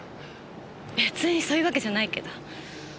別にそういうわけじゃないけど。